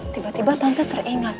tiba tiba tante teringat